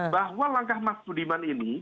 bahwa langkah mas budiman ini